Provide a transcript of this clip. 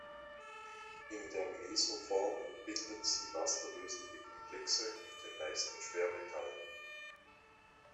In der "meso"-Form bildet sie wasserlösliche Komplexe mit den meisten Schwermetallen.